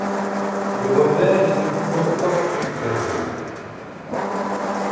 Le revers est de couleur ocre clair.